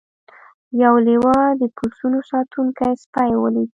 یو لیوه د پسونو ساتونکی سپی ولید.